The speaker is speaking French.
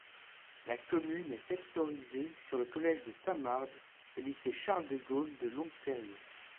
La commune est sectorisée sur le collège de Saint-Mard et lycée Charles-de-Gaulle de Longperrier.